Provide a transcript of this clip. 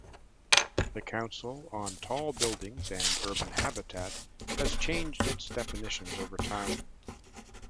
The Council on Tall Buildings and Urban Habitat has changed its definitions over time.